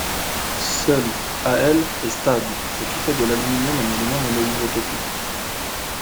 Seul Al est stable, ce qui fait de l'aluminium un élément monoisotopique.